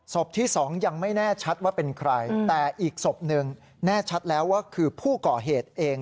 ศพที่๒ยังไม่แน่ชัดว่าเป็นใครแต่อีกศพหนึ่งแน่ชัดแล้วว่าคือผู้ก่อเหตุเอง